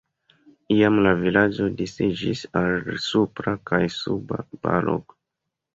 Iam la vilaĝo disiĝis al Supra kaj Suba Balog.